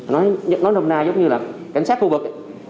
nói đồng nào giống như là cảnh sát khu vực